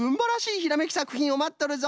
ひらめきさくひんをまっとるぞ。